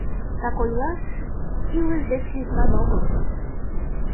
— Так ойлаш, илыш деч лӱдман огыл.